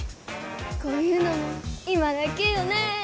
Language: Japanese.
こういうのも今だけよね